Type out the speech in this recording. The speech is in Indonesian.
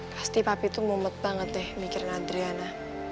pasti papi tuh mumet banget deh mikirin adriana